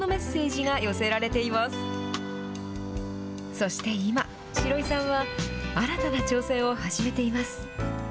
そして、今シロイさんは新たな挑戦を始めています。